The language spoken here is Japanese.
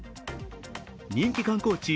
人気観光地